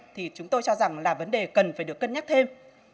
thì chúng tôi cho rằng là vấn đề cần phải được cân nhắc thêm